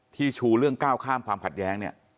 ชูเรื่องก้าวข้ามความขัดแย้งเนี่ย